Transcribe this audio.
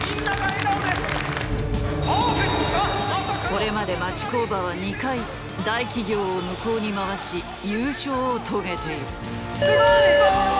これまで町工場は２回大企業を向こうに回し優勝を遂げている。